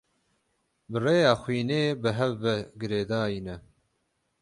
Bi rêya xwînê bi hev ve girêdayî ne.